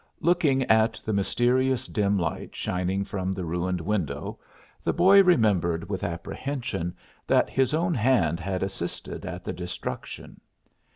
Looking at the mysterious dim light shining from the ruined window the boy remembered with apprehension that his own hand had assisted at the destruction.